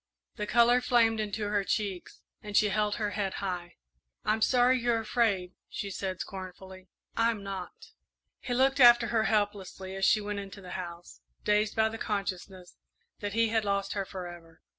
The colour flamed into her cheeks, and she held her head high. "I'm sorry you're afraid," she said, scornfully, "I'm not!" He looked after her helplessly as she went into the house, dazed by the consciousness that he had lost her forever.